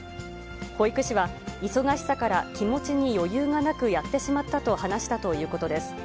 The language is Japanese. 保育士は、忙しさから気持ちに余裕がなくやってしまったと話したということです。